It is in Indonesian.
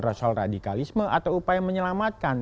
rasul radikalisme atau upaya menyelamatkan